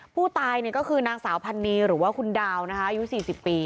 ผู้ตายก็คือนางสาวพันนีหรือว่าคุณดาวนะคะอายุ๔๐ปี